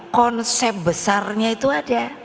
konsep besarnya itu ada